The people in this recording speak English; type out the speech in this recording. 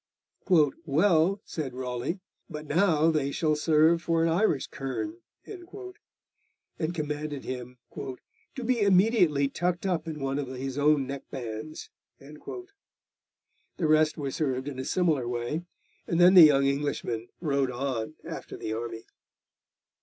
'Well,' said Raleigh, 'but now they shall serve for an Irish kern,' and commanded him 'to be immediately tucked up in one of his own neck bands.' The rest were served in a similar way, and then the young Englishman rode on after the army.